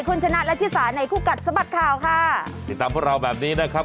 คุณชนะและชิสาในคู่กัดสะบัดข่าวค่ะติดตามพวกเราแบบนี้นะครับ